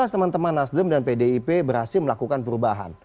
dua ribu empat belas teman teman nasdem dan pdip berhasil melakukan perubahan